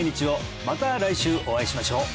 また来週お会いしましょう！